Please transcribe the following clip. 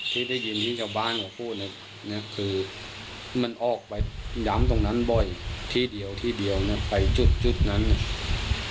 ที่ได้ยินที่ชาวบ้านเขาพูดเนี่ยนะคือมันออกไปย้ำตรงนั้นบ่อยที่เดียวที่เดียวเนี่ยไปจุดจุดนั้นเนี่ย